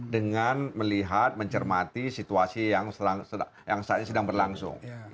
dengan melihat mencermati situasi yang saat ini sedang berlangsung